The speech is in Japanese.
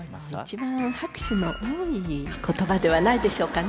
一番拍手の多い言葉ではないでしょうかね。